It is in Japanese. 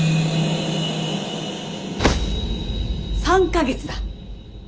３か月だ。